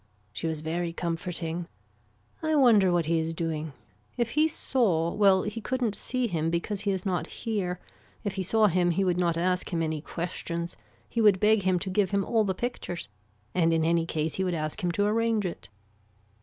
She was very comforting. I wonder what he is doing. If he saw, well he couldn't see him because he is not here, if he saw him he would not ask him any questions, he would beg him to give him all the pictures and in any case he would ask him to arrange it.